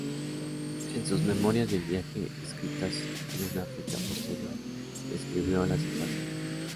En sus memorias del viaje, escritas en una fecha posterior, describió la situación.